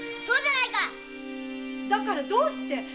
そうじゃないかだからどうして？